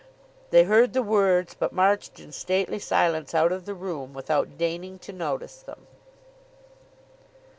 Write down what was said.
They heard the words, but marched in stately silence out of the room without deigning to notice them.